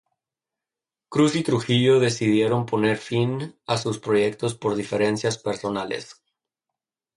Cruz y Trujillo decidieron poner fin a sus proyectos por diferencias personales.